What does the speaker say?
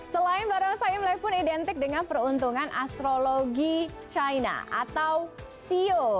selain barong sai melepun identik dengan peruntungan astrologi china atau sio